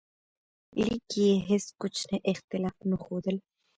لیک کې یې هیڅ کوچنی اختلاف نه ښودل.